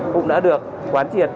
cũng đã được quán triệt